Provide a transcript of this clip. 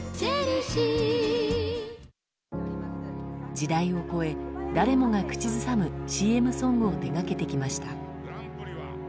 時代を超え誰もが口ずさむＣＭソングを手掛けてきました。